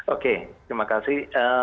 oke terima kasih